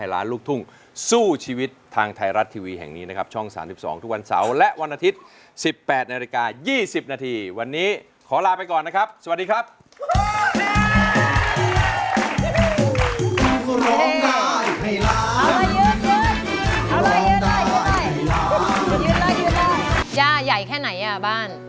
ย่าใหญ่แค่ไหนอ่ะบ้าน